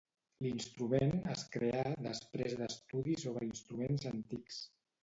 L'instrument es creà després d'estudis sobre instruments antics.